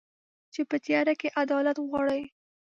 چي په تیاره کي عدالت غواړي